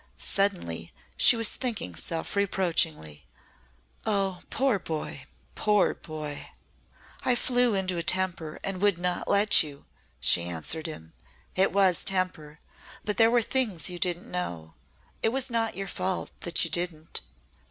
Suddenly she was thinking self reproachingly, "Oh, poor boy poor boy!" "I flew into a temper and would not let you," she answered him. "It was temper but there were things you didn't know. It was not your fault that you didn't."